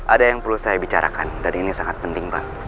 ada yang perlu saya bicarakan dan ini sangat penting pak